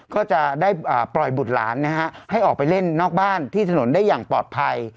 ก็จะได้ปล่อยบุตรหลานให้ออกไปเล่นนอกบ้านที่ถนนได้อย่างปลอดภัย